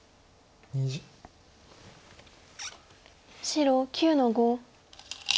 白９の五。